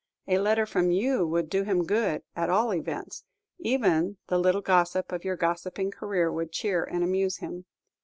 A letter from you would do him good, at all events; even the little gossip of your gossiping career would cheer and amuse him.